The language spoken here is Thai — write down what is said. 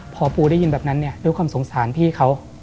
พอปูได้ยินแบบนั้นเนี่ยด้วยความสงสารพี่เขา